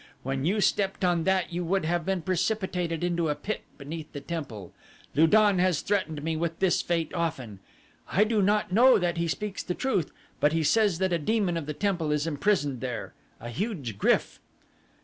When you stepped on that you would have been precipitated into a pit beneath the temple. Lu don has threatened me with this fate often. I do not know that he speaks the truth, but he says that a demon of the temple is imprisoned there a huge GRYF."